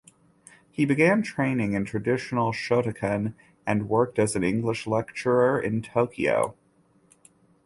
He began training in traditional Shotokan and worked as an English lecturer in Tokyo.